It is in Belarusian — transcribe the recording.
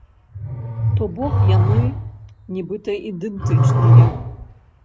То бок яны нібыта ідэнтычныя.